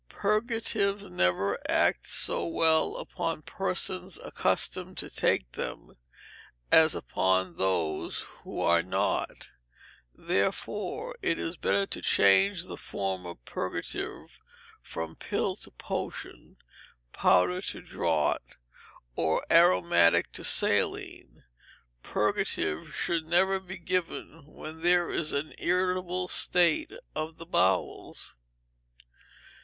Purgatives never act so well upon persons accustomed to take them as upon those who are not, therefore it is better to change the form of purgative from pill to potion, powder to draught, or aromatic to saline. Purgatives should never be given when there is an irritable state of the bowels.